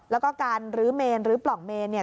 แล้วก็การลื้อเมนหรือปล่องเมนเนี่ย